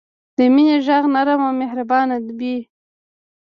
د مینې ږغ نرم او مهربان وي.